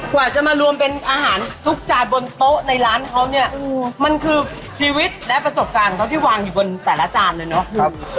กว่าจะมารวมเป็นอาหารทุกจานบนโต๊ะในร้านเขาเนี่ยมันคือชีวิตและประสบการณ์ของเขาที่วางอยู่บนแต่ละจานเลยเนาะ